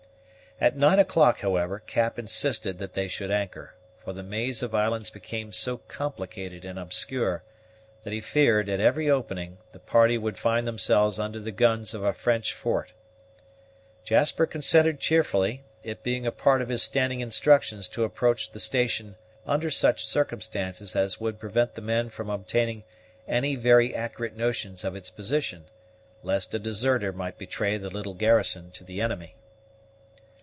At nine o'clock, however, Cap insisted that they should anchor; for the maze of islands became so complicated and obscure, that he feared, at every opening, the party would find themselves under the guns of a French fort. Jasper consented cheerfully, it being a part of his standing instructions to approach the station under such circumstances as would prevent the men from obtaining any very accurate notions of its position, lest a deserter might betray the little garrison to the enemy.